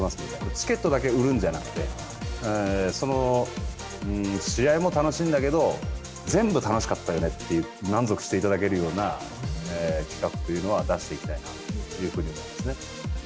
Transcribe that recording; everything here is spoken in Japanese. チケットだけ売るんじゃなくて、その試合も楽しいんだけど、全部楽しかったよねっていう、満足していただけるような企画というのは、出していきたいなというふうに思いますね。